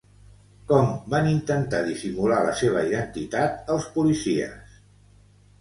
Com van intentar dissimular la seva identitat els policies?